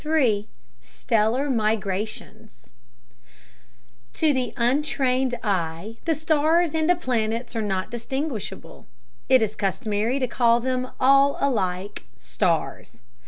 III Stellar Migrations To the untrained eye the stars and the planets are not distinguishable. It is customary to call them all alike "stars."